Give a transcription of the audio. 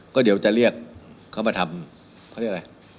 ก็เดี๋ยวจะเรียกเขามาทำเขาเรียกอะไร